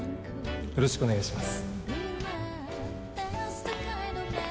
よろしくお願いします。